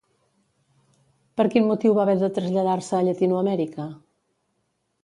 Per quin motiu va haver de traslladar-se a Llatinoamèrica?